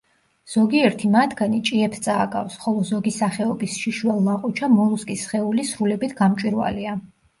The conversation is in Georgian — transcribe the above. ზოგიერთი მათგანი ჭიებს წააგავს, ხოლო ზოგი სახეობის შიშველლაყუჩა მოლუსკის სხეული სრულებით გამჭვირვალეა.